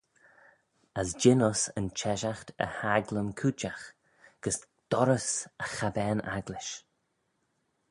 As jean uss yn cheshaght y haglym cooidjagh, gys dorrys y chabbane-agglish.